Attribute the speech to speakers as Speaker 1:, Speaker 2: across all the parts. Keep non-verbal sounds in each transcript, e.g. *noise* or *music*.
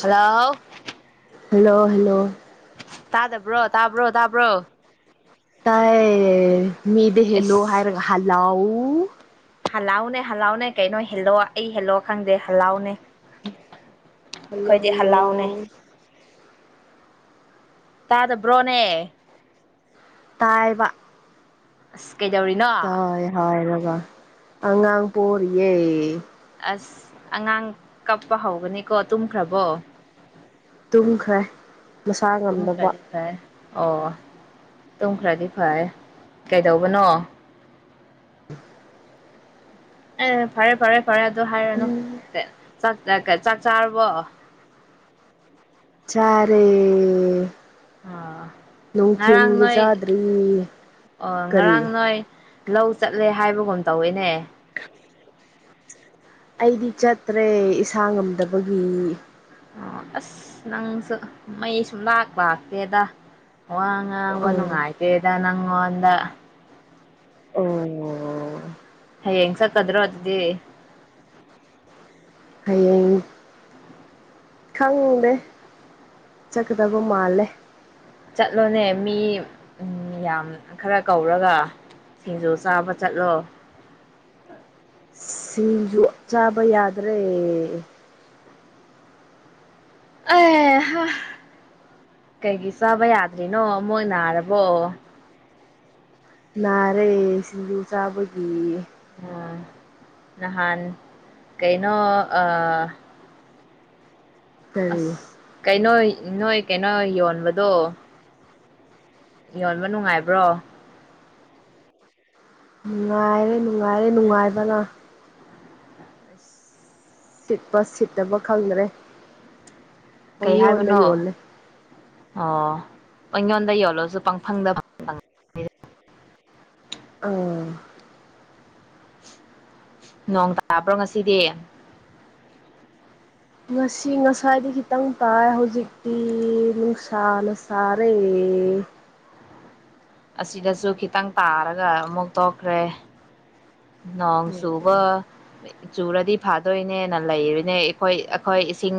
Speaker 1: Hello.
Speaker 2: Hello hello.
Speaker 1: ꯇꯥꯗꯕ꯭ꯔꯣ ꯇꯥꯕ꯭ꯔꯣ ꯇꯥꯕ꯭ꯔꯣ꯫
Speaker 2: ꯇꯥꯏ ꯃꯤꯗ ꯍꯦꯂꯣ
Speaker 1: ꯏꯁ
Speaker 2: ꯍꯥꯏꯔ ꯍꯂꯥꯎ꯫
Speaker 1: ꯍꯜꯂꯥꯎꯅꯦ ꯍꯜꯂꯥꯎꯅꯦ ꯀꯩꯅꯣ ꯍꯦꯜꯂꯑꯣ ꯑꯩ ꯍꯦꯜꯂꯑꯣ ꯈꯪꯗꯦ ꯍꯜꯂꯥꯎꯅꯦ꯫
Speaker 2: ꯍꯜꯂꯣ
Speaker 1: ꯑꯩꯈꯣꯏꯗꯤ
Speaker 2: ꯍꯜꯂꯣ꯫
Speaker 1: ꯍꯜꯂꯥꯎꯅꯦ ꯇꯥꯗ ꯕ꯭ꯔꯣꯅꯦ꯫
Speaker 2: ꯇꯥꯏꯕ꯫
Speaker 1: ꯑꯁ꯫ ꯀꯩꯗꯧꯔꯤꯅꯣ
Speaker 2: ꯇꯥꯏ ꯍꯥꯏꯔꯒ ꯑꯉꯥꯡ ꯄꫭꯔꯤꯑꯦ꯫
Speaker 1: ꯑꯁ ꯑꯉꯥꯡ ꯀꯞꯄ ꯍꯧꯒꯅꯤꯀꯣ ꯇꯨꯝꯈ꯭ꯔꯕꯣ꯫
Speaker 2: ꯇꯨꯝꯈ꯭ꯔꯦ ꯃꯁꯥ ꯉꯝꯗꯕ꯫
Speaker 1: ꯇꯨꯝꯈ꯭ꯔꯗꯤ ꯐꯩ ꯑꯣ ꯇꯨꯝꯈ꯭ꯔꯥꯗꯤ ꯐꯔ ꯀꯥꯏꯗꯎꯕꯅꯣ꯫ ꯑꯦ ꯐꯔꯦ ꯐꯔꯦ ꯐꯔꯦ ꯑꯗꯨ ꯍꯥꯏꯔꯅꯨ ꯀ ꯆꯥꯛ ꯆꯥꯔꯕꯣ꯫
Speaker 2: ꯆꯥꯔꯦ꯫
Speaker 1: ꯑꯥ ꯉꯔꯥꯡ
Speaker 2: ꯅꯨꯡꯊꯤꯟꯒꯤ
Speaker 1: ꯅꯣꯏ
Speaker 2: ꯆꯥꯗ꯭ꯔꯤ
Speaker 1: ꯑꯣ
Speaker 2: ꯀꯔꯤ
Speaker 1: ꯉꯔꯥꯡ ꯅꯣꯏ ꯂꯧ ꯆꯠꯂꯦ ꯍꯥꯏꯕꯒꯨꯝ ꯇꯧꯋꯦꯅꯦ꯫
Speaker 2: ꯑꯩꯗꯤ ꯆꯠꯇ꯭ꯔꯦ ꯏꯁꯥ ꯉꯝꯗꯕꯒꯤ꯫
Speaker 1: ꯑꯣ ꯑꯁ ꯅꯪꯁꯨ ꯃꯩ ꯁꯨꯝ ꯂꯥꯛ ꯂꯥꯛꯇꯦꯗ꯫ ꯋꯥ ꯉꯥꯡꯕ
Speaker 2: ꯑꯥ
Speaker 1: ꯅꯨꯡꯉꯥꯏꯇꯦꯗ ꯅꯪꯉꯣꯟꯗ꯫
Speaker 2: ꯑꯣ
Speaker 1: ꯍꯌꯦꯡ ꯆꯠꯀꯗ꯭ꯔꯣ ꯑꯗꯨꯗꯤ꯫
Speaker 2: ꯍꯌꯦꯡ ꯈꯪꯗꯦ ꯆꯠꯀꯗꯕ ꯃꯥꯜꯂꯦ꯫
Speaker 1: ꯆꯠꯂꯣꯅꯦ ꯃꯤ ꯎꯝ ꯌꯥꯝ ꯈꯔ ꯀꯧꯔꯒ꯫ ꯁꯤꯡꯖꯨ ꯆꯥꯕ ꯆꯠꯂꯣ꯫
Speaker 2: ꯁꯤꯡꯖꯨ ꯆꯥꯕ ꯌꯥꯗ꯭ꯔꯦ꯫
Speaker 1: ꯑꯩ ꯍꯥ ꯀꯩꯒꯤ ꯆꯥꯕ ꯌꯥꯗ꯭ꯔꯤꯅꯣ ꯃꯣꯏ ꯅꯥꯔꯕꯣ꯫
Speaker 2: ꯅꯥꯔꯦ ꯁꯤꯡꯖꯨ ꯆꯥꯕꯒꯤ꯫
Speaker 1: ꯑꯣꯝ ꯅꯍꯥꯟ ꯀꯩꯅꯣ ꯑ
Speaker 2: ꯀꯔꯤ
Speaker 1: ꯑꯁ ꯀꯩꯅꯣ ꯅꯣꯏ ꯀꯩꯅꯣ ꯌꯣꯟꯕꯗꯣ꯫ ꯌꯣꯟꯕ ꯅꯨꯡꯉꯥꯏꯕ꯭ꯔꯣ꯫
Speaker 2: ꯅꯨꯡꯉꯥꯏꯔꯦ-ꯅꯨꯡꯉꯥꯏꯔꯦ ꯅꯨꯡꯉꯥꯏꯕꯅ꯫ ꯁꯤꯠꯄ ꯁꯤꯠꯇꯕ ꯈꯪꯗ꯭ꯔꯦ꯫
Speaker 1: ꯀꯩ
Speaker 2: ꯄꯪꯌꯣꯟꯗ
Speaker 1: ꯍꯥꯏꯕꯅꯣ
Speaker 2: ꯌꯣꯜꯂꯦ
Speaker 1: ꯑꯣ꯫ ꯄꯪꯌꯣꯟꯗ ꯌꯣꯜꯂꯣꯁꯨ ꯄꯪꯐꯪꯗ꯫ *unintelligible*
Speaker 2: ꯑꯝ꯫
Speaker 1: ꯅꯣꯡ ꯇꯥꯕ꯭ꯔꯣ ꯉꯁꯤꯗꯤ꯫
Speaker 2: ꯉꯁꯤ ꯉꯁꯥꯏꯗꯤ ꯈꯤꯇꯪ ꯇꯥꯏ ꯍꯧꯖꯤꯛꯇꯤ ꯅꯨꯡꯁꯥꯅ ꯁꯥꯔꯦ꯫ ꯑꯦ꯫
Speaker 1: ꯑꯁꯤꯗꯁꯨ ꯈꯤꯇꯪ ꯇꯥꯔꯒ ꯑꯃꯨꯛ ꯇꯣꯛꯈ꯭ꯔꯦ꯫ ꯅꯣꯡ
Speaker 2: ꯎꯝ
Speaker 1: ꯆꯨꯕ ꯆꯨꯔꯗꯤ ꯐꯥꯗꯣꯏꯅꯦꯅ ꯂꯩꯔꯤꯅꯦ ꯏꯈꯣꯏ ꯑꯈꯣꯏ ꯁꯤꯡ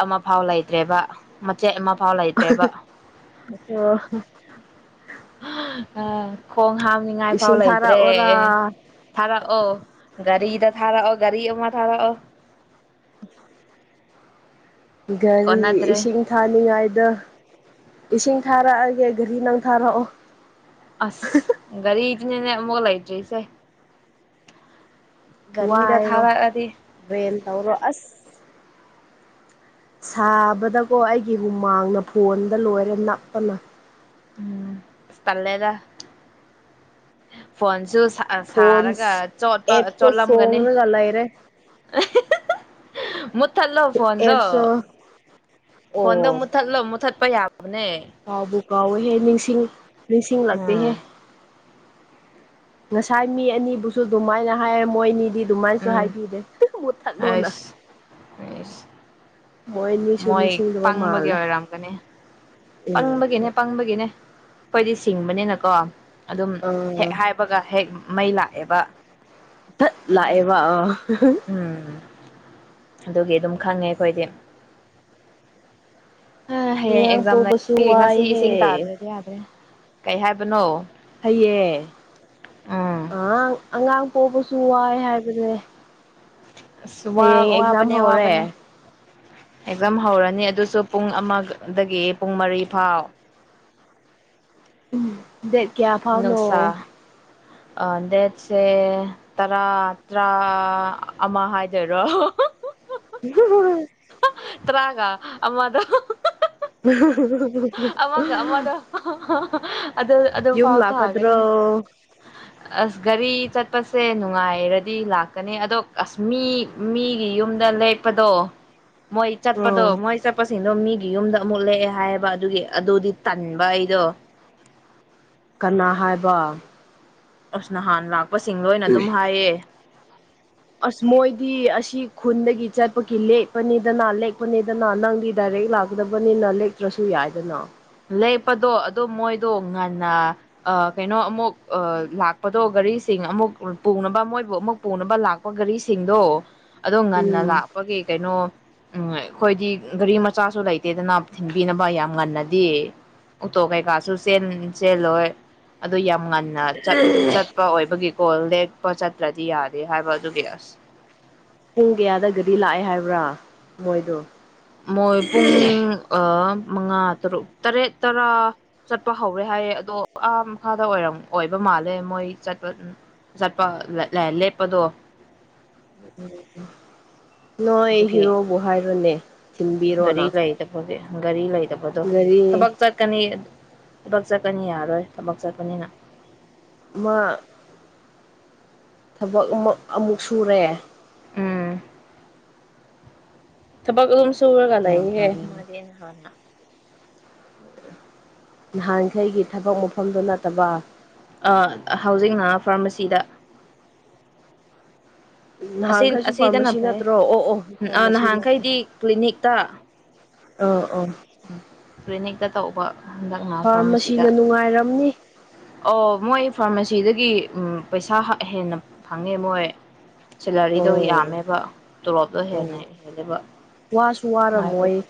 Speaker 1: ꯑꯃ ꯐꯥꯎ ꯂꯩꯇ꯭ꯔꯦꯕ ꯃꯆꯦꯠ ꯑꯃ
Speaker 2: *unintelligible*
Speaker 1: ꯑ ꯈꯣꯡ ꯍꯥꯝ ꯇꯅꯤꯡꯉꯥꯏ ꯐꯥꯎ
Speaker 2: ꯏꯁꯤꯡ
Speaker 1: ꯂꯩꯇ꯭ꯔꯦ
Speaker 2: ꯊꯥꯔꯛꯑꯣꯔꯥ
Speaker 1: ꯊꯥꯔꯛꯑꯣ ꯒꯥꯔꯤꯗ ꯊꯥꯔꯛꯑꯣ ꯒꯥꯔꯤ ꯑꯃ ꯊꯥꯔꯛꯑꯣ
Speaker 2: ꯒꯥꯔꯤ
Speaker 1: ꯀꯣꯟꯅꯗ꯭ꯔꯦ
Speaker 2: ꯏꯁꯤꯡ ꯊꯥꯅꯤꯡꯉꯥꯏꯗ ꯏꯁꯤꯡ ꯊꯥꯔꯛ ꯒꯦꯒꯘꯔꯤ ꯅꯪ ꯊꯥꯔꯛꯑꯣ
Speaker 1: ꯑꯁ ꯒꯥꯔꯤ ꯏꯗꯤ ꯅꯅꯦ ꯃꯒꯂꯥꯏꯗ꯭ꯔꯤꯁꯦ
Speaker 2: ꯋꯥꯏꯔꯣ
Speaker 1: ꯊꯥꯔꯛꯑꯗꯤ
Speaker 2: ꯔꯦꯟ ꯇꯧꯔꯣ ꯑꯁ ꯁꯥꯕꯗꯀꯣ ꯑꯩꯒꯤ ꯍꯨꯃꯥꯡꯅ ꯐꯣꯟꯗ ꯂꯣꯏꯔꯦ ꯅꯞꯄꯅ
Speaker 1: ꯎꯝ ꯇꯂꯦꯗ ꯐꯣꯟꯣꯟꯁꯨ ꯁꯥꯔꯒ
Speaker 2: ꯐꯣꯟꯁ
Speaker 1: ꯆꯣꯠꯄ
Speaker 2: ꯑꯦꯞꯇꯣ
Speaker 1: ꯆꯣꯠꯂꯝꯒꯅꯤ
Speaker 2: ꯆꯣꯡꯉꯒ ꯂꯩꯔꯦ
Speaker 1: ꯃꯨꯠꯊꯠꯂꯣ ꯐꯣꯟꯗꯣ
Speaker 2: ꯑꯦꯞꯁꯨ
Speaker 1: ꯐꯣꯟꯗꯣ
Speaker 2: ꯑꯣ
Speaker 1: ꯃꯨꯠꯊꯠꯂꯣ ꯃꯨꯠꯊꯠꯄ ꯌꯥꯕ ꯅꯦ
Speaker 2: ꯀꯥꯎꯕꯨ ꯀꯥꯎꯋꯦꯍꯦ ꯅꯤꯡꯁꯤꯡ ꯅꯤꯡꯁꯤꯡꯂꯛꯇꯦꯍꯦ
Speaker 1: ꯎꯝ
Speaker 2: ꯉꯁꯥꯏ ꯃꯤ ꯑꯅꯤꯕꯨꯁꯨ ꯑꯗꯨꯃꯥꯏꯅ ꯍꯥꯏꯔꯦ ꯃꯣꯏꯅꯤꯗꯤ ꯑꯗꯨꯃꯥꯏꯅꯁꯨ
Speaker 1: ꯎꯝ
Speaker 2: ꯍꯥꯏꯕꯤꯗꯦ ꯃꯨꯠꯊꯠꯂꯣꯅ
Speaker 1: ꯑꯩꯁ ꯑꯩꯁ
Speaker 2: ꯃꯣꯏ ꯑꯅꯤꯁꯨ
Speaker 1: ꯃꯣꯏ
Speaker 2: ꯅꯤꯡꯁꯤꯡꯗꯕ
Speaker 1: ꯄꯪꯕꯒꯤ
Speaker 2: ꯃꯥꯜꯂꯦ
Speaker 1: ꯑꯣꯏꯔꯝꯒꯅꯤ ꯄꯪꯕꯒꯤꯅꯦ ꯄꯪꯕꯒꯤꯅꯦ ꯑꯩꯈꯣꯏꯗꯤ ꯁꯤꯡꯕꯅꯤꯅꯀꯣ ꯑꯗꯨꯝ ꯍꯦꯛ
Speaker 2: ꯑꯥ
Speaker 1: ꯍꯥꯏꯕꯒ ꯍꯦꯛ ꯃꯩ ꯂꯥꯛ ꯑꯦꯕ
Speaker 2: ꯠ ꯂꯑꯕ
Speaker 1: ꯎꯝ ꯑꯗꯨꯒꯤ ꯑꯗꯨꯝ ꯈꯪꯉꯦ ꯑꯩꯈꯣꯏꯗꯤ ꯍꯌꯦꯡ
Speaker 2: ꯑꯉꯥꯡ
Speaker 1: ꯑꯦꯛꯖꯥꯝ
Speaker 2: ꯄꯣꯛꯕꯁꯨ
Speaker 1: ꯂꯩ ꯉꯁꯤ
Speaker 2: ꯋꯥꯏꯍꯦ
Speaker 1: ꯏꯁꯤꯡ ꯇꯥꯗ꯭ꯔꯗꯤ ꯌꯥꯗ꯭ꯔꯦ ꯀꯩ ꯍꯥꯏꯕꯅꯣ
Speaker 2: ꯍꯩꯌꯦ
Speaker 1: ꯎꯝ
Speaker 2: ꯑ ꯑꯉꯥꯡ ꯍꯣꯕꯁꯨ ꯋꯥꯏ ꯍꯥꯏꯕꯁꯦ
Speaker 1: ꯋꯥ ꯋꯥꯕꯅꯦ
Speaker 2: ꯍꯧꯔꯦ
Speaker 1: ꯋꯥꯕꯅꯦ ꯑꯦꯛꯖꯥꯝ ꯍꯧꯔꯅꯤ ꯑꯗꯨꯁꯨ ꯄꯨꯡ ꯑꯃꯗꯒꯤ ꯄꯨꯡ ꯃꯔꯤ ꯐꯥꯎ
Speaker 2: ꯎꯝ ꯗꯦ ꯀꯌꯥ ꯐꯥꯎꯅꯣ
Speaker 1: ꯑ ꯗꯦꯠꯁꯦ ꯇꯔꯥ ꯇꯔꯥ ꯑꯃ ꯍꯥꯏꯗꯣꯏꯔꯣ ꯇ꯭ꯔꯥꯒ ꯑꯃ ꯑꯗꯨ
Speaker 2: *unintelligible* *unintelligible*
Speaker 1: ꯑꯗ ꯑꯗꯨꯗ
Speaker 2: ꯌꯨꯝ
Speaker 1: ꯐꯥꯎ ꯇ ꯍꯥꯏꯒꯅꯤꯦ
Speaker 2: ꯂꯥꯛꯀꯗ꯭ꯔꯣ
Speaker 1: ꯑꯁꯒꯔꯤ ꯆꯠꯄꯁꯦ ꯅꯨꯡꯉꯥꯏꯔꯗꯤ ꯂꯥꯛꯀꯅꯤ ꯑꯗꯣ ꯑꯁ ꯃꯤ ꯃꯤꯒꯤ ꯌꯨꯝꯗ ꯂꯦꯞꯄꯗꯣ ꯃꯣꯏ ꯆꯠꯄꯗꯣ
Speaker 2: ꯎꯝ
Speaker 1: ꯃꯣꯏ ꯆꯠꯄꯁꯤꯡꯗꯣ ꯃꯤꯒꯤ ꯌꯨꯝꯗ ꯑꯃꯨꯛꯂꯛꯑꯦ ꯍꯥꯏꯌꯦꯕ ꯑꯗꯨꯒꯤ ꯑꯗꯨꯗꯤ ꯇꯟꯕ ꯑꯩꯗꯣ
Speaker 2: ꯀꯅꯥ ꯍꯥꯏꯕ
Speaker 1: ꯑꯁ ꯅꯍꯥꯟ ꯂꯥꯛꯄꯁꯤꯡ ꯂꯣꯏꯅ ꯑꯗꯨꯝ ꯍꯥꯏꯌꯦ
Speaker 2: ꯑꯁ ꯃꯣꯏꯗꯤ ꯑꯁꯤ ꯈꯨꯟꯗꯒꯤ ꯆꯠꯄꯒꯤ ꯂꯦꯛꯄꯅꯤꯗꯅ ꯂꯦꯛꯄꯅꯤꯗꯅ ꯅꯪꯗꯤ ꯗꯥꯏꯔꯦꯛ ꯂꯦꯛ ꯂꯥꯛꯀꯗꯕꯅꯤꯅ ꯂꯦꯛꯇ꯭ꯔꯁꯨ ꯌꯥꯏꯗꯅ
Speaker 1: ꯂꯦꯞꯄꯗꯣ ꯑꯗꯣ ꯃꯣꯏꯗꯣ ꯉꯟꯅ ꯀꯩꯅꯣ ꯑꯃꯨꯛ ꯂꯥꯛꯄꯗꯣ ꯘꯔꯤꯁꯦ ꯑꯃꯨꯛ ꯄꯨꯅꯕ ꯃꯣꯏꯕꯨ ꯑꯃꯨꯛ ꯄꯨꯅꯕ ꯂꯥꯛꯄ ꯒꯥꯔꯤꯁꯤꯡꯗꯣ ꯑꯗꯣ ꯉꯟꯅ
Speaker 2: ꯎꯝ
Speaker 1: ꯂꯥꯛꯄꯒꯤ ꯀꯩꯅꯣ ꯎꯝ ꯑꯩꯈꯣꯏꯗꯤ ꯒꯥꯔꯤ ꯃꯆꯥꯁꯨ ꯂꯩꯇꯦꯗꯅ ꯊꯤꯟꯕꯤꯅꯕ ꯌꯥꯝ ꯉꯟꯅꯗꯦ ꯇꯣ ꯀꯩ ꯆꯦꯜꯂꯣꯏ ꯑꯗꯨ ꯉꯟꯅ ꯆꯠꯄ ꯑꯣꯏꯕꯒꯤ ꯀꯒꯣꯜ ꯂꯦꯛꯄ ꯆꯠꯇ꯭ꯔꯗꯤ ꯌꯥꯔꯦ ꯍꯥꯏꯕ ꯑꯗꯨꯒꯤ ꯑꯁ
Speaker 2: ꯄꯨꯡ ꯀꯌꯥꯗꯒꯗꯤ ꯂꯥꯛꯑꯦ ꯍꯥꯏꯕ꯭ꯔꯥ ꯃꯣꯏꯗꯣ
Speaker 1: ꯃꯣꯏ ꯄꯨꯡ ꯑ ꯃꯉꯥ ꯇꯔꯨꯛ ꯇꯔꯦꯠ ꯇꯔꯥ ꯆꯠꯄ ꯍꯧꯔꯦ ꯍꯥꯏꯌꯦꯦ ꯑꯗꯣ ꯑꯥ ꯃꯈꯥꯗꯔ ꯑꯣꯏꯕ ꯃꯥꯜꯂꯦ ꯃꯣꯏ ꯆꯠꯄ ꯆꯠꯄ ꯂꯦꯞꯄꯗꯣ
Speaker 2: ꯅꯣꯏ
Speaker 1: ꯑꯗꯨꯒꯤ
Speaker 2: ꯍꯤꯔꯣꯕꯨ ꯍꯥꯏꯔꯣꯅꯦ ꯊꯤꯟꯕꯤꯔꯣꯅ
Speaker 1: ꯒꯥꯔꯤ ꯂꯩꯇꯕꯒꯤ ꯒꯥꯔꯤ ꯂꯩꯗꯕꯗꯣ
Speaker 2: ꯒꯥꯔꯤ
Speaker 1: ꯊꯕꯛ ꯆꯠꯀꯅꯤ ꯊꯕꯛ ꯆꯠꯀꯅꯤ ꯌꯥꯔꯣꯏ ꯊꯕꯛ ꯆꯠꯄꯅꯤꯅ
Speaker 2: ꯃꯥ ꯊꯕꯛ ꯑꯃꯨꯛ ꯁꯨꯔꯦ
Speaker 1: ꯒ ꯊꯝꯁꯨ ꯑꯣꯏꯒꯂꯏ
Speaker 2: ꯌꯥꯝ
Speaker 1: ꯍꯦ
Speaker 2: ꯐꯔꯦꯅꯦ
Speaker 1: ꯃꯥꯅ ꯍꯥꯥꯟꯅ
Speaker 2: ꯅꯍꯥꯟꯈꯩꯒꯤ ꯊꯕꯛ ꯃꯐꯝꯗꯨ ꯅꯠꯇꯕ
Speaker 1: ꯑ ꯍꯧꯖꯤꯛꯅ ꯐꯥꯔꯃꯥꯁꯤꯗ
Speaker 2: ꯎ
Speaker 1: ꯑꯁꯤ
Speaker 2: ꯅꯍꯥꯟꯈꯩꯁꯨ
Speaker 1: ꯑꯁꯤꯗꯅ
Speaker 2: ꯐꯥꯔꯃꯥꯁꯤ
Speaker 1: ꯐꯩ
Speaker 2: ꯅꯠꯇ꯭ꯔꯣ ꯑꯣ ꯑꯣ
Speaker 1: ꯑꯥ
Speaker 2: ꯐꯥꯔꯃꯥꯁꯤ ꯅꯠꯇꯦ
Speaker 1: ꯅꯍꯥꯟꯈꯩꯗꯤ
Speaker 2: ꯑ ꯑꯣ
Speaker 1: ꯎ ꯀ꯭ꯂꯤꯅꯤꯛꯇ ꯇꯧꯕ ꯍꯟꯗꯛꯅ ꯐꯥꯔꯃꯥꯁꯤꯗ
Speaker 2: ꯐꯥꯔꯃꯥꯁꯤꯅ ꯅꯨꯡꯉꯥꯏꯔꯝꯅꯤ
Speaker 1: ꯑꯣ ꯃꯣꯏ ꯐꯥꯔꯃꯥꯁꯤꯗꯒꯤ ꯄꯩꯁꯥ ꯍꯦꯟꯅ ꯐꯪꯉꯦ ꯃꯣꯏ ꯁꯦꯂꯔꯤꯗꯣ
Speaker 2: ꯑꯣ
Speaker 1: ꯌꯥꯝꯃꯦꯕ ꯇꯣꯂꯣꯞꯇꯣ ꯍꯦꯟꯅ ꯍꯦꯜꯂꯦꯕ
Speaker 2: ꯄꯥꯁꯨ ꯋꯥꯔꯝꯃꯣꯏ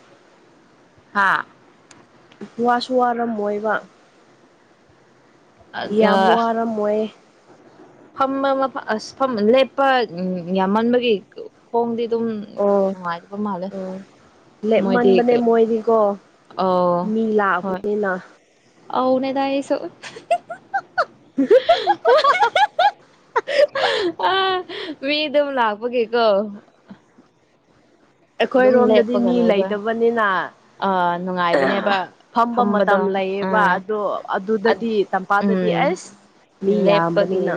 Speaker 1: ꯑꯥ
Speaker 2: ꯋꯥꯁꯨ ꯋꯥꯔꯝꯃꯣꯏꯕ ꯌꯥꯝ
Speaker 1: ꯑ
Speaker 2: ꯋꯥꯔꯝꯃꯣꯏ
Speaker 1: ꯐꯝꯕ ꯃꯐꯝ ꯑꯁ ꯂꯦꯞꯄ ꯌꯥꯝꯃꯟꯕꯒꯤ ꯈꯣꯡꯗꯤ
Speaker 2: ꯑꯣ
Speaker 1: ꯑꯗꯨꯝꯅꯨꯡ ꯃꯥꯥꯏꯄ ꯃꯥꯂ
Speaker 2: ꯑꯣ ꯂꯦꯞꯃꯟꯕꯅꯦ ꯃꯣꯏꯗꯤꯀꯣ ꯃꯤ ꯂꯥꯛꯑꯕꯅꯤꯅ
Speaker 1: ꯑꯅꯦꯗ ꯁ ꯑ ꯃꯤ ꯑꯗꯨꯝ ꯂꯥꯛꯄꯒꯦꯀꯣ
Speaker 2: ꯑꯩꯈꯣꯏꯔꯣꯝꯗꯗꯤ ꯃꯤ
Speaker 1: ꯂꯩꯕ
Speaker 2: ꯂꯩꯗꯕꯅꯤꯅ
Speaker 1: ꯑ ꯅꯨꯡꯉꯥꯏꯕꯅꯦꯕ
Speaker 2: ꯐꯝꯕ ꯃꯇꯝ
Speaker 1: ꯐꯝꯕꯗꯣ
Speaker 2: ꯂꯩꯌꯦꯕ
Speaker 1: ꯑꯥ
Speaker 2: ꯑꯗꯣ ꯑꯗꯨꯗꯗꯤ ꯇꯝꯄꯥꯛꯗꯗꯤ
Speaker 1: ꯎꯝ
Speaker 2: ꯑꯁ ꯃꯤ
Speaker 1: ꯂꯦꯞꯄꯒꯤ
Speaker 2: ꯌꯥꯝꯕꯅꯤꯅ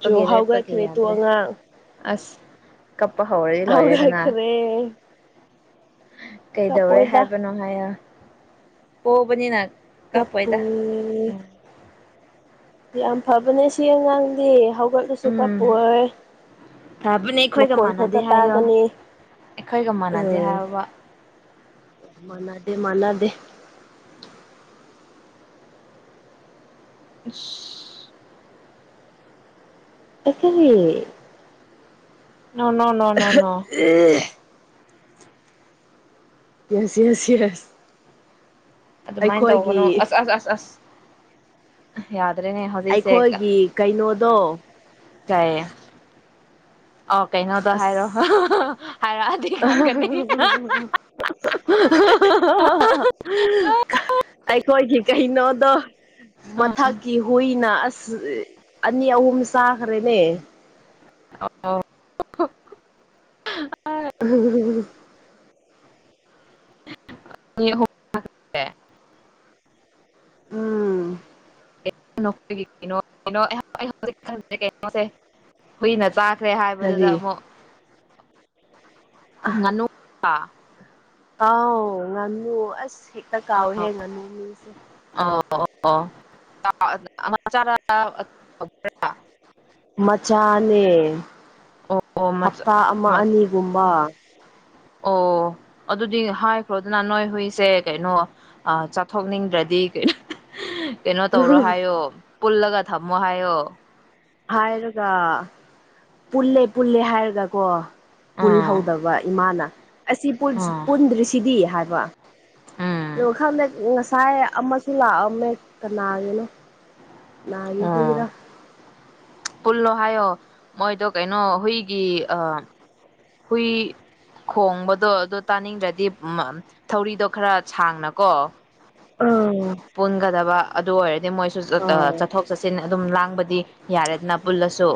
Speaker 2: ꯆꯣ ꯍꯧꯒꯠꯈ꯭ꯔꯦ ꯇꯣ
Speaker 1: ꯅꯦꯄꯒꯤꯗ꯭ꯔꯦ
Speaker 2: ꯑꯉꯥꯡ
Speaker 1: ꯑꯁ ꯀꯄ ꯍ ꯂꯔꯗꯅ
Speaker 2: ꯍꯧꯒꯠꯈ꯭ꯔꯦ
Speaker 1: ꯀꯩꯗꯧꯔꯦ
Speaker 2: ꯀꯞꯄꯣꯏꯗ
Speaker 1: ꯍꯥꯏꯕꯅꯣ ꯍꯥꯏꯔ ꯄꯣꯛꯕꯅꯤꯅ
Speaker 2: ꯀꯄꯨ ꯌꯥꯝ ꯐꯕꯅꯦ ꯁꯤ ꯑꯉꯥꯡꯗꯤ ꯍꯧꯒꯠꯂꯨꯁꯨ
Speaker 1: ꯎꯝ
Speaker 2: ꯀꯥꯞꯄ
Speaker 1: ꯐꯕꯅꯦ ꯑꯩꯈꯣꯏꯒ
Speaker 2: ꯃꯈꯣꯜ ꯈꯔꯛꯇ
Speaker 1: ꯃꯥꯟꯅꯗꯦ ꯍꯥꯏꯌꯣ
Speaker 2: ꯇꯥꯒꯅꯤ
Speaker 1: ꯑꯩꯈꯣꯏꯒ ꯃꯥꯟꯅꯗꯦ
Speaker 2: ꯎꯝ
Speaker 1: ꯍꯥꯏꯕ
Speaker 2: ꯃꯅꯥꯗꯦ ꯃꯅꯥꯗꯦ
Speaker 1: ꯑ
Speaker 2: ꯑꯩꯈꯔꯤ
Speaker 1: ꯅꯅꯣꯅꯣꯅꯣꯅ
Speaker 2: ꯌꯥꯁꯤ ꯌꯥꯁꯤ ꯌꯥ
Speaker 1: ꯑꯗꯨꯃꯥꯏꯅ ꯇꯒꯅꯨ ꯑꯁ ꯑꯁ ꯑꯁ ꯑꯁ ꯌꯥꯗꯦ
Speaker 2: ꯑꯩꯈꯣꯏꯒꯤ ꯀꯩꯅꯣꯗꯣ
Speaker 1: ꯀꯩ ꯑꯣ ꯀꯩꯅꯣꯗꯣ
Speaker 2: ꯑꯁ
Speaker 1: ꯍꯥꯏꯔꯣ ꯍꯥꯏꯔꯗꯤ ꯉꯪꯒꯅꯤ
Speaker 2: ꯑꯩꯈꯣꯏꯒꯤ ꯀꯩꯅꯣꯗꯣ ꯃꯊꯛꯀꯤ ꯍꯨꯏꯅ ꯑꯁ ꯑꯅꯤ ꯑꯍꯨꯝ ꯆꯥꯈ꯭ꯔꯦꯅꯦ
Speaker 1: ꯑ ꯑꫭ
Speaker 2: ꯑꯍ ꯑꯍ ꯑꯍ
Speaker 1: ꯃꯤ ꯑꯍꯨꯝ
Speaker 2: ꯑ
Speaker 1: ꯍꯨꯏꯅ ꯆꯥꯛ ꯈ꯭ꯔꯦ ꯍꯥꯏꯕꯗꯨꯗ
Speaker 2: ꯀꯔꯤ
Speaker 1: ꯑꯃꯨꯛ ꯉꯅꯨ
Speaker 2: ꯑꯥꯎ ꯉꯅꯨ ꯑꯁ ꯍꯦꯛꯇ ꯀꯥꯎꯋꯤ ꯍꯦ ꯉꯅꯨꯁꯦ
Speaker 1: ꯑꯣ ꯑꯣ ꯃꯆꯥꫪ
Speaker 2: ꯃꯆꯥꯅꯦ
Speaker 1: ꯑꯣ ꯃꯆꯥ
Speaker 2: ꯍꯞꯇꯥ ꯑꯃ ꯑꯅꯤꯒꯨꯝꯕ
Speaker 1: ꯑꯣ ꯑꯗꯨꯗꯤ ꯍꯥꯏꯈ꯭ꯔꯣ ꯗꯅ ꯅꯣꯏ ꯍꯨꯏꯁꯦ ꯀꯩꯅꯣ ꯆꯥꯊꯣꯛꯅꯤꯡꯗ꯭ꯔꯗꯤ ꯀꯩꯅꫭ ꯀꯩꯅꯣ ꯇꯧꯔꯣ ꯍꯥꯏꯌꯣ ꯄꯨꯜꯂꯒ ꯊꯝꯃꯣ ꯍꯥꯏꯌꯣ
Speaker 2: ꯍꯥꯏꯔꯒ ꯄꯨꯜꯂꯦ ꯄꯨꯜꯂꯦ ꯍꯥꯏꯔꯒ ꯀꯣ
Speaker 1: ꯎꯝ
Speaker 2: ꯄꯨꯜꯍꯧꯗꯕ ꯏꯃꯥꯅ ꯑꯁꯤ ꯄꯨꯜ
Speaker 1: ꯎꯝ
Speaker 2: ꯄꯨꯟꯗ꯭ꯔꯤꯁꯤꯗꯤ ꯍꯥꯏꯕ
Speaker 1: ꯎꯝ
Speaker 2: ꯑꯗꫭ ꯈꯪꯗ‌ꯦ ꯉꯁꯥꯏ ꯑꯃꯁꯨ ꯂꯥꯛꯑꯝꯃꯦ ꯀꯅꯥꯒꯤꯅꯣ ꯀꯅꯥꯒꯤ
Speaker 1: ꯑꯣ
Speaker 2: ꯍꯏꯅꫭ
Speaker 1: ꯄꯨꯜꯂꯣ ꯍꯥꯏꯌꯣ ꯃꯣꯏꯗꯣ ꯀꯩꯅꯣ ꯍꯨꯏꯒꯤ ꯑ ꯍꯨꯏ ꯈꯣꯡꯕꯗꯣ ꯑꯗꫭ ꯇꯥꯅꯤꯡꯗ꯭ꯔꯗꯤ ꯎꯝ ꯊꯧꯔꯤꯗꯣ ꯈꯔ ꯁꯥꯡꯅꯀꯣ
Speaker 2: ꯑ
Speaker 1: ꯄꯨꯟꯒꯗꯕ ꯑꯗꯨ ꯑꯣꯏꯔꯗꯤ ꯃꯣꯏꯁꯨ ꯆꯠ ꯑ ꯆꯠꯊꯣꯛ ꯆꯠꯁꯤꯟ ꯑꯗꯨꯝ ꯂꯥꯡꯕꯗꯤ ꯌꯥꯔꯦꯗꯅ ꯄꯨꯜꯂ ꯑꯨꯁꯨ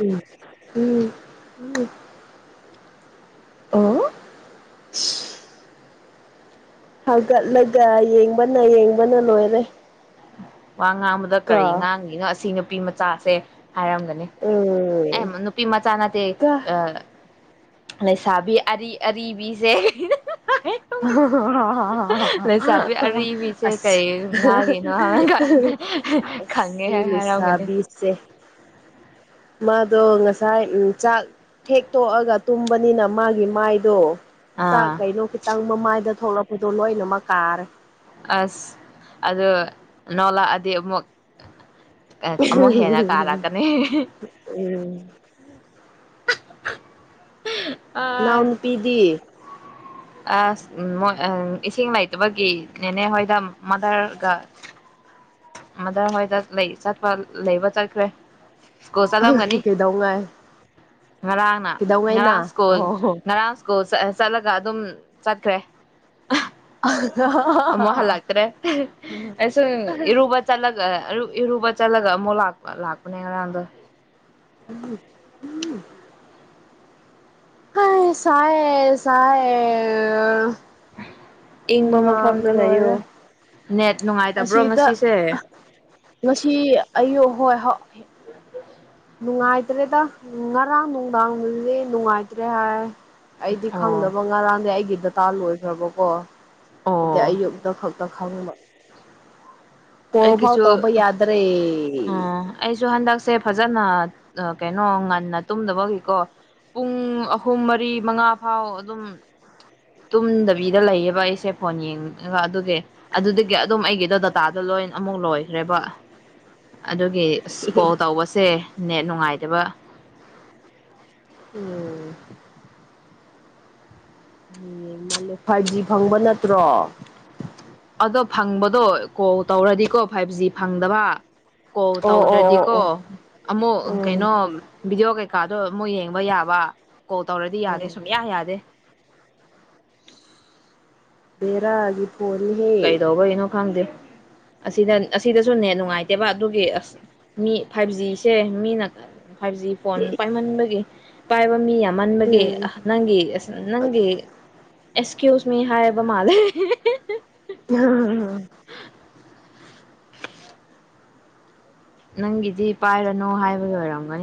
Speaker 2: ꯎꯝ ꯎꯝ ꯑꯣ ꯍꯧꯒꯠꯂꯒ ꯌꯦꯡꯕꯅ ꯌꯦꯡꯕꯅ ꯂꯣꯏꯔꯦ
Speaker 1: ꯋꯥ ꯉꯥꯡꯕꯗ
Speaker 2: ꯀꯣ
Speaker 1: ꯀꯔꯤ ꯉꯥꯡꯉꯤꯅꯣ ꯑꯁꯤ ꯅꯨꯄꯤ ꯃꯆꯥꯁꯦ ꯍꯥꯏꯔꯝꯒꯅꯤ ꯑ‌ꯦ
Speaker 2: ꯎꯝ
Speaker 1: ꯅꯨꯄꯤ ꯃꯆꯥ ꯅꯠꯇꯦ
Speaker 2: ꯀ
Speaker 1: ꯑ ꯂꯩꯁꯥꯕꯤ ꯑꯔꯤ ꯑꫪꯤꯕꯤꯖ‌ꯦ ꯂꯩꯁꯥꯕꯤ ꯑꯔꯤꯔꯤꯕꯤꯁꯦ
Speaker 2: ꯑꯁ
Speaker 1: ꯀꯩ ꯉꯥꯡꯉꯤꯅꯣ ꯍꯥꯡ ꯈꯪꯉꯦ
Speaker 2: ꯑꯁꯤ
Speaker 1: ꯍꯦ ꯍꯔꯥꯎꯒꯅ
Speaker 2: ꯂꯩꯁꯥꯕꯤꯁꯦ
Speaker 1: *unintelligible*
Speaker 2: ꯃꯥꯗꯣ ꯉꯁꯥꯏ ꯑꯝ ꯆꯥꯛ ꯍꯦꯛ ꯇꯣꯛꯑꯒ ꯇꯨꯝꯕꯅꯤꯅ ꯃꯥꯒꯤ ꯃꯥꯏꯗꯣ ꯆꯥꯛ
Speaker 1: ꯑꯥ
Speaker 2: ꯀꯩꯗꫭ ꯈꯨꯠ ꯃꯥꯏꯗ ꯊꯣꯛꯂꯛꯄꯗꯣ ꯂꯣꯏꯅꯃꯛ ꯀꯥꯔꯦ
Speaker 1: ꯑꯁ ꯑꯗꯨ ꯅꫭꯂꯛꯑꯗꯤ ꯑꯃꯨꯛ ꯑꯃꯨꯛ ꯍꯦꯟꯅ
Speaker 2: ꯎꯝ
Speaker 1: ꯀꯥꯔꯛꯀꯅꯤ
Speaker 2: ꯎꯝ ꯅꯥꯎ
Speaker 1: ꯑ
Speaker 2: ꯅꯨ ꯄꯤꯗꯤ
Speaker 1: ꯑꯁ ꯃꫭꯏ ꯑꯝ ꯏꯁꯤꯡ ꯂꯩꯇꯕꯒꯤ ꯅꯦꯅꯦ ꯍꯣꯏꯗ ꯃꯥꯗꯔꯒ ꯃꯗꫪ ꯍꯣꯏꯗ ꯂꯩ ꯆꯠꯄ ꯂꯩꯕ ꯆꯠꯈ꯭ꯔꯦ ꯁ꯭ꯀꯨꯜ
Speaker 2: ꯀꯩꯗꯧꯉ‌ꯩ
Speaker 1: ꯉꯔꯥꯅ ꯉꫪꯥꯡ ꯁ꯭ꯀꯨꯜ
Speaker 2: ꯑꯣ
Speaker 1: ꯉꯥꯔꯡ ꯁ꯭ꯀꯨꯜ ꯆꯠꯑ‌ꯦ ꯆꯠꯂꯒ ꯑꯗꯨꯝ ꯆꯠꯈ꯭ꯔꯦ
Speaker 2: ꯑꯍꯥ
Speaker 1: ꯑꯃꯨꯛ ꯍꯜꯂꯛꯇ꯭ꯔꯦ ꯑꯩꯁꯨ ꯏꯔꯨꯕ ꯆꯠꯂꯒ ꯑꯔꯨ ꯏꯔꯨꯕ ꯆꯠꯂꯒ ꯑꯃꯨꯛ ꯂꯥꯛꯄ ꯂꯥꯛꯄꯅꯦ ꯉꯔꯥꯡꯗꯣ
Speaker 2: ꯎꯝ ꯎꯝ ꯍꯥꯁ ꯁꯥꯏꯌ‌ꯦ ꯁꯥꯏꯌ‌ꯦ
Speaker 1: *unintelligible* ꯏꯪꯕ ꯃꯐꯝꯗ ꯂꯩꯌꯣ
Speaker 2: ꯂꯣꯏꯔꯦ
Speaker 1: ꯅ‌ꯦꯠ ꯅꯨꯡꯉꯥꯏꯇꯕ꯭ꯔꯣ
Speaker 2: ꯑꯁꯤꯗ
Speaker 1: ꯉꯁꯤꯁꯦ
Speaker 2: ꯉꯁꯤ ꯑꯌꯨꯛ ꯍꯣꯏ ꯍꯧꯏ ꯅꯨꯡꯉꯥꯏꯇ꯭ꯔꯦꯗ ꯉꯔꯥꯡ ꯅꯨꯡꯗꯥꯡꯗꯤ ꯅꯨꯡꯉꯥꯏꯇ꯭ꯔꯦ ꯍꯥꯏ ꯑꯩꯗꯤ
Speaker 1: ꯑꯣ
Speaker 2: ꯈꯪꯗꯅꯕ ꯉꯔꯥꯡꯅꯦ ꯑꯩꯒꯤ ꯗꯇꯥ ꯂꯣꯏꯈ꯭ꯔꯕꯀꯣ ꯑꯗꯨꯗꯤ
Speaker 1: ꯑꯣ
Speaker 2: ꯑꯌꯨꯛꯇ ꯈꯛ ꯄ ꯈꯪꯕ ꯀꯣꯜ ꯐꯥꯎ
Speaker 1: ꯑꯩꯒꯤꯁꯨ ꯑꯣ
Speaker 2: ꯇꯧꯕ ꯌꯥꯗ꯭ꯔꯦ
Speaker 1: ꯑꯩꯁꯨ ꯍꯟꯗꯛꯁꯦ ꯐꯖ ꯀꯩꯅꯣ ꯉꯟꯅ ꯇꯨꯝꯗꯕꯒꯤꯀꯣ ꯄꯨꯡ ꯑꯍꯨꯝ ꯃꯔꯤ ꯃꯉꯥ ꯐꯥꯎ ꯑꯗꯨꯝ ꯇꯨꯝꯗꯕꯤꯗ ꯂꯩꯌꯦꯕ ꯑꯩꯁꯦ ꯐꯣꯟ ꯌꯦꯡꯉꯒ ꯑꯗꯨꯒꯤ ꯑꯗꯨꯒꯤ ꯑꯗꯨꯝ ꯑꯩꯒꯤꯗꯣ ꯗꯇꯥꯗꯣ ꯂꯣꯏ ꯑꯃꯨꯛ ꯂꯣꯏꯈ꯭ꯔꯦꯕ ꯑꯗꯨꯒꯤ ꯑꯁ ꯀꯣꯜ ꯇꯧꯕꯁꯦ ꯅꯦꯠ ꯅꯨꯡꯉꯥꯏꯇꯕ
Speaker 2: ꯎꯝ ꯑꯦ ꯃꯥꯂꯦ ꯐꯥꯏꯚ ꯖꯤ ꯐꯪꯕ ꯅꯠꯇ꯭ꯔꯣ
Speaker 1: ꯑꯗꯣ ꯐꯪꯕꯗꯣ ꯀꯣꯜ ꯇꯧꯔꯗꯤꯀꯣ ꯐꯥꯏꯚ ꯖꯤ ꯐꯪꯗꯕ ꯀꯣ
Speaker 2: ꯑꯣ ꯑꯣ ꯑꯣ
Speaker 1: ꯇꯧꯗ꯭ꯔꯗꯤꯀꯣ
Speaker 2: ꯑꯣ
Speaker 1: ꯑꯃꯨꯛ
Speaker 2: ꯎꯝ
Speaker 1: ꯀꯩꯅꯣ ꯚꯗꯤꯑꯣ ꯀꯩ ꯀꯩꯀꯥꯗꯣ ꯃꯣꯏ ꯌꯦꯡꯕ ꯌꯥꯕ ꯀꯣꯜ ꯇꯧꯔꯗꯤ
Speaker 2: ꯎꯝ
Speaker 1: ꯌꯥꯗꯦ ꯁꯨꯡꯌꯥ ꯌꯥꯗꯦ
Speaker 2: ꯕꯦꯔꯒꯤ
Speaker 1: ꯀꯩꯗꯧꯕ ꯏꯅ ꯈꯪꯗꯦ ꯑꯁꯤꯗ ꯑꯁꯤꯗꯁꯨꯅꯦꯦ ꯅꯨꯡꯉꯥꯏꯇꯦꯕ ꯑꯗꯨꯒꯤ ꯑꯁ ꯃꯤ ꯐꯥꯏꯚ ꯖꯤꯁꯦ ꯃꯤꯅ ꯐꯥꯏꯚ ꯖꯤ ꯐꯣꯟ ꯄꯥꯏꯃꯟꯕꯒꯤ ꯄꯥꯏꯕ ꯃꯤ ꯌꯥꯝ ꯃꯟꯃꯒ
Speaker 2: ꯎꯝ
Speaker 1: ꯑ ꯅꯪꯒꯤ ꯅꯪ ꯑꯦꯁꯀꯤ꯭ꯌꯨꯁ ꯃꯤ ꯍꯥꯏꯕ ꯃꯥꯂꯦ
Speaker 2: *unintelligible*
Speaker 1: ꯅꯪꯒꯤꯗꯤ ꯄꯥꯏꯔꯅꯨ ꯍꯥꯏꯕꯒꯤ ꯑꯣꯏꯔꯝꯒꯅꯤ